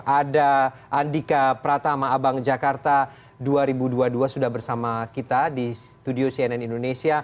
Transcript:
ada andika pratama abang jakarta dua ribu dua puluh dua sudah bersama kita di studio cnn indonesia